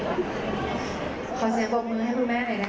แม่จะหล่ออยู่